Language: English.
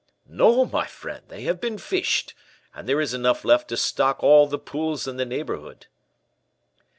"No, my friend: they have been fished, and there is enough left to stock all the pools in the neighborhood."